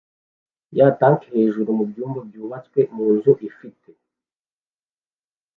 ya tank hejuru mubyumba byubatswe munzu ifite